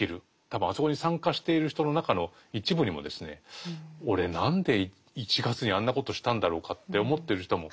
多分あそこに参加している人の中の一部にもですね俺何で１月にあんなことしたんだろうかって思ってる人も多分いると思う。